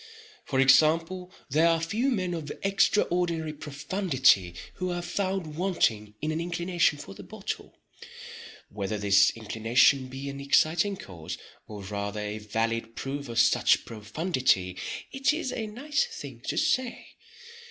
For example, there are few men of extraordinary profundity who are found wanting in an inclination for the bottle. Whether this inclination be an exciting cause, or rather a valid proof of such profundity, it is a nice thing to say.